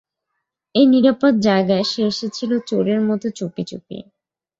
এই নিরাপদ জায়গায় সে এসেছিল চোরের মতো চুপি চুপি।